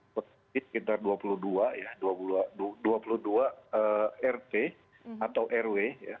seperti sekitar dua puluh dua rt atau rw